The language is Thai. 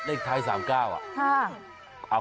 เลขไทย๓๙อ่ะ